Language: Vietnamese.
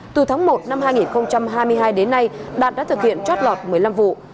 từ tháng một năm hai nghìn hai mươi hai đến nay đạt đã thực hiện trót lọt một mươi năm vụ